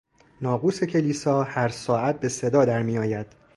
ناقوس کلیسا هر ساعت به صدا درمیآید.